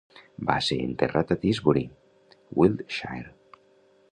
Va ser enterrat a Tisbury, Wiltshire.